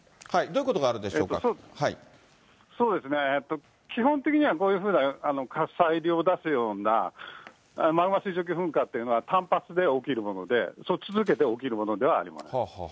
そうですね、基本的にはこういうふうな、火砕流を出すようなマグマ水蒸気噴火っていうのは、単発で起きるもので、続けて起きるものではありません。